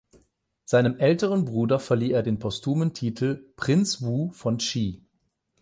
Seinem älteren Bruder verlieh er den postumen Titel "Prinz Wu von Qi".